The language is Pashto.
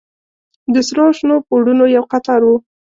د سرو او شنو پوړونو يو قطار و.